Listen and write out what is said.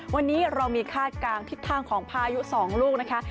วันนี้เรามีคาดการณ์ทิศทางของพายุ๒ลูกนะคะ